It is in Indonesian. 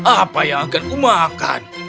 apa yang akan kumakan